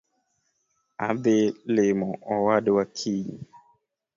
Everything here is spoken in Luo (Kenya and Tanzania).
Adhii limo owadwa kiny.